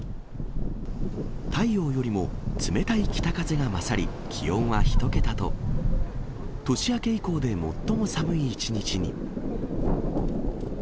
太陽よりも冷たい北風が勝り、気温は１桁と、年明け以降で最も寒い一日に。